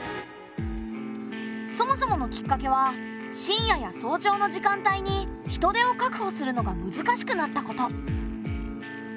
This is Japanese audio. そもそものきっかけは深夜や早朝の時間帯に人手を確保するのが難しくなったこと。